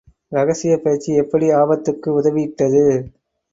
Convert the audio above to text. ரகசியப் பயிற்சி எப்படி ஆபத்துக்கு உதவிவிட்டது!...